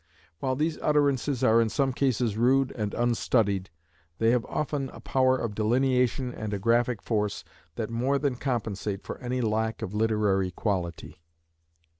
While these utterances are in some cases rude and unstudied, they have often a power of delineation and a graphic force that more than compensate for any lack of literary quality.